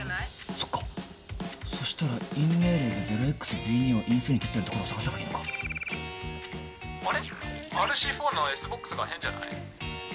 そっかそしたらＩＮ命令で０ｘＢ２を引数にとってるところを探せばいいのかあれＲＣ４のＳｂｏｘが変じゃない？